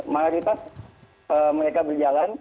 mayoritas mereka berjalan